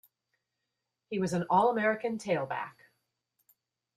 He was an All-American tailback.